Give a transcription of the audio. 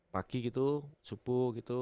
pagi gitu subuh gitu